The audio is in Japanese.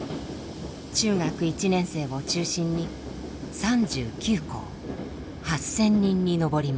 中学１年生を中心に３９校８，０００人に上ります。